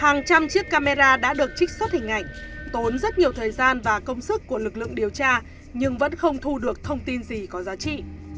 hàng trăm chiếc camera đã được trích xuất hình ảnh tốn rất nhiều thời gian và công sức của lực lượng điều tra nhưng vẫn không thu được thông tin gì có giá trị